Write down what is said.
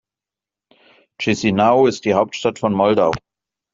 Chișinău ist die Hauptstadt von Moldau.